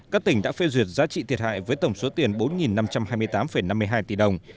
các tỉnh đã phê duyệt giá trị thiệt hại với tổng số tiền bốn năm trăm hai mươi tám năm mươi hai tỷ đồng